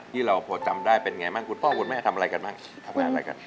ที่เราพอจำได้เป็นไงบ้างคุณพ่อคุณแม่ทำอะไรกันบ้างทำงานอะไรกัน